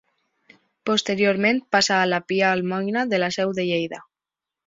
Posteriorment, passà a la Pia Almoina de la Seu de Lleida.